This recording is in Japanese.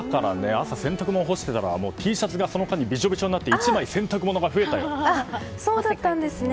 朝、洗濯物干していたらＴシャツがその間にびしょびしょになってそうだったんですね。